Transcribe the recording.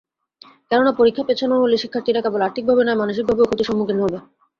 কেননা, পরীক্ষা পেছানো হলে শিক্ষার্থীরা কেবল আর্থিকভাবে নয়, মানসিকভাবেও ক্ষতির সম্মুখীন হয়।